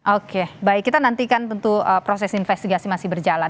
oke baik kita nantikan tentu proses investigasi masih berjalan